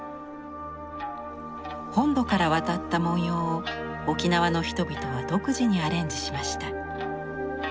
本土から渡った文様を沖縄の人々は独自にアレンジしました。